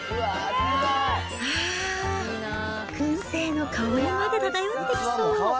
ああ、くん製の香りまで漂ってきそう。